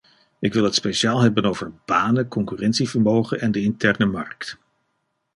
Ik wil het speciaal hebben over banen, concurrentievermogen en de interne markt.